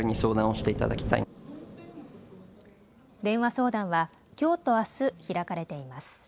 電話相談は、きょうとあす開かれています。